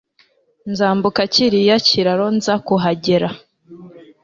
Nzambuka kiriya kiraro nza kuhagera.